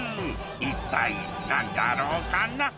一体何じゃろうかな？